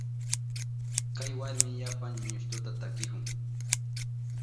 Kay warmi yapa ñañustuta takihun.